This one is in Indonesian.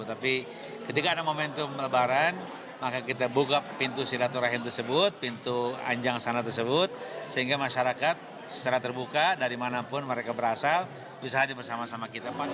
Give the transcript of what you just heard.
tapi ketika ada momentum lebaran maka kita buka pintu silaturahim tersebut pintu anjang sana tersebut sehingga masyarakat secara terbuka dari manapun mereka berasal bisa hadir bersama sama kita